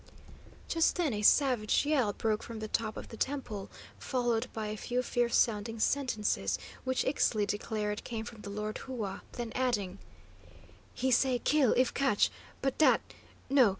Just then a savage yell broke from the top of the temple, followed by a few fierce sounding sentences, which Ixtli declared came from the Lord Hua, then adding: "He say kill if catch, but dat no!